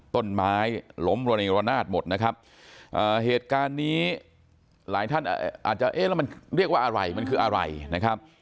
ต้นไม้ล้มระเนรนาศหมดนะครับเหตุการณ์นี้หลายท่านอาจจะเอ๊ะแล้วมันเรียกว่าอะไรมันคืออะไรนะครับ